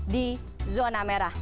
di zona merah